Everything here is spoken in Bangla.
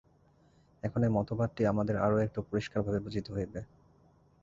এখন এই মতবাদটি আমাদের আরও একটু পরিষ্কারভাবে বুঝিতে হইবে।